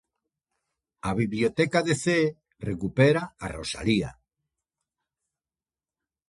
A biblioteca de Cee recupera a Rosalía.